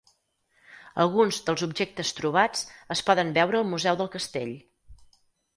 Alguns dels objectes trobats es poden veure al museu del castell.